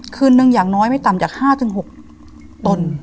คืนนึงอย่างน้อยไม่ต่ำจาก๕๖ตน